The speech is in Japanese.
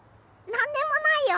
なんでもないよ。